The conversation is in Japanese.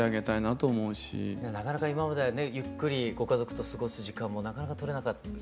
なかなか今まではねゆっくりご家族と過ごす時間もなかなか取れなかった？